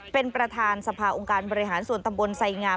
เป็นประธานสภาองค์การบริหารส่วนตำบลไสงาม